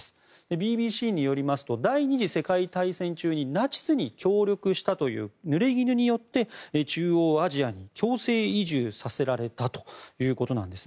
ＢＢＣによりますと第２次世界大戦中にナチスに協力したというぬれぎぬによって中央アジアに強制移住させられたということなんです。